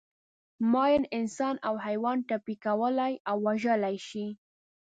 ماین انسان او حیوان ټپي کولای او وژلای شي.